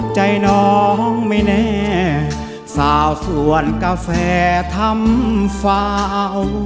ใจน้องไม่แน่สาวสวนกาแฟทำฟาว